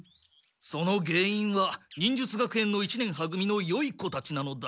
その原いんは忍術学園の一年は組のよい子たちなのだ。